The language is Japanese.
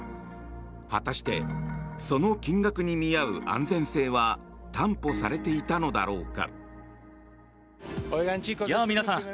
果たしてその金額に見合う安全性は担保されていたのだろうか。